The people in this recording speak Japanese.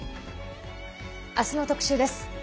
明日の特集です。